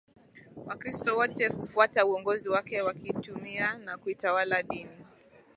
Wakristo wote kufuata uongozi wake wakiitumia na kuitawala dini